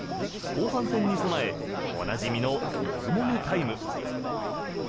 後半戦に備えおなじみのもぐもぐタイム。